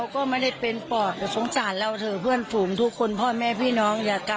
ความความว่าคุณผู้ชมลูกหลานอะไรนะคะ